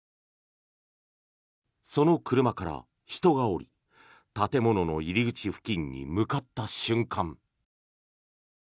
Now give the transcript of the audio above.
その車から人が降り建物の入り口付近に向かった瞬間。